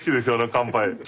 「乾杯」。